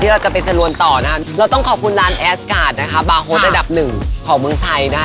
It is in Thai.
เลิศเอามาสามารถเจอกัน